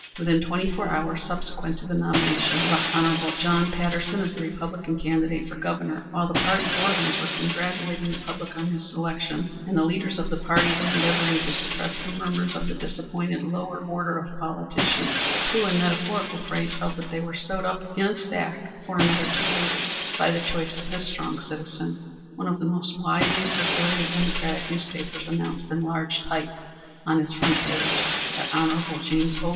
Within twenty four hours subsequent to the nomination of Hon. John Patterson as the Republican candidate for Governor, while the party organs were congratulating the public on his selection, and the leaders of the party were endeavoring to suppress the murmurs of the disappointed lower order of politicians who, in metaphorical phrase, felt that they were sewed up in a sack for another two years by the choice of this strong citizen, one of the most widely circulated democratic newspapers announced in large type on its front page that Hon. James O.